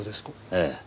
ええ。